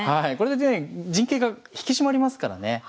これでね陣形が引き締まりますからね。